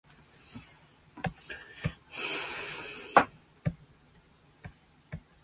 バオウ・ザケルガを避けるだと！アホウ・フザケルナ！